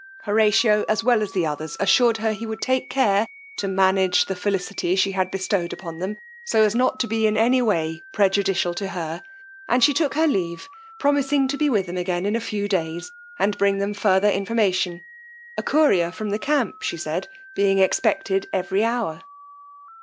Horatio, as well as the others, assured her he would take care to manage the felicity she had bestowed upon them, so as not to be any way prejudicial to her; and she took her leave, promising to be with them again in a few days, and bring them farther information, a courier from the camp, she said, being expected every hour.